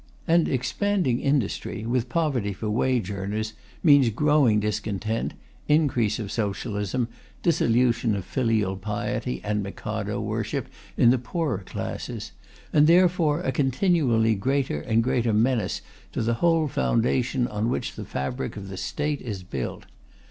And expanding industry with poverty for wage earners means growing discontent, increase of Socialism, dissolution of filial piety and Mikado worship in the poorer classes, and therefore a continually greater and greater menace to the whole foundation on which the fabric of the State is built.